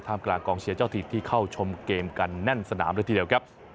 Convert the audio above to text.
กลางกองเชียร์เจ้าถิ่นที่เข้าชมเกมกันแน่นสนามเลยทีเดียวครับ